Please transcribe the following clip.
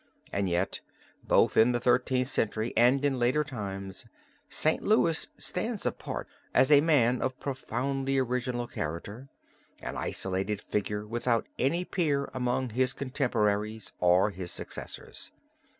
And yet, both in the Thirteenth Century and in later times St. Louis stands apart as a man of profoundly original character, an isolated figure without any peer among his contemporaries or his successors.